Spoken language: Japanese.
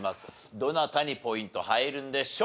どなたにポイント入るんでしょうか？